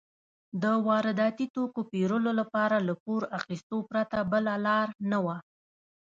د وارداتي توکو پېرلو لپاره له پور اخیستو پرته بله لار نه وه.